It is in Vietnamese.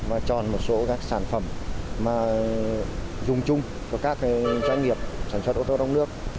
và chọn một số các sản phẩm mà dùng chung cho các doanh nghiệp sản xuất ô tô trong nước